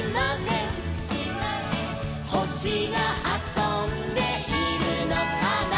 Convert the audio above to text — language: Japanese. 「ほしがあそんでいるのかな」